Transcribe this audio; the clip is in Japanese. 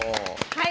はい！